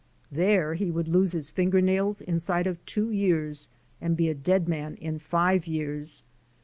There he would lose his finger nails inside of two years and be a dead man in five years.